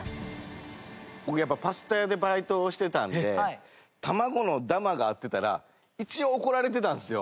僕パスタ屋でバイトをしてたんで卵のダマがあってたら一応怒られてたんですよ。